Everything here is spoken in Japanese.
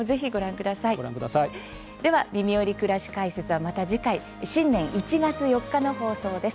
くらし解説」はまた次回新年１月４日の放送です。